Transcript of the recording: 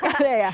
nggak ada ya